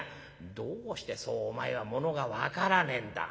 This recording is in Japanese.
「どうしてそうお前はものが分からねえんだ。